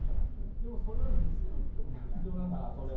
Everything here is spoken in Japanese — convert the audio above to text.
でも、それは見せるってことが必要なんじゃないですか。